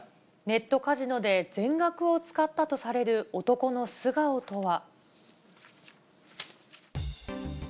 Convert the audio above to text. ネットカジノで全額を使ったとされる男の素顔とは。